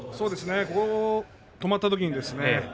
止まったときですね